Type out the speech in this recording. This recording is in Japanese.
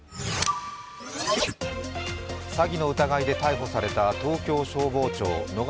詐欺の疑いで逮捕された東京消防庁野方